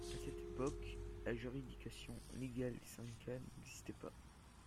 À cette époque, la juridiction légale des syndicats n’existait pas.